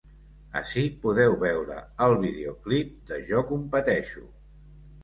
Ací podeu veure el videoclip de Jo competeixo.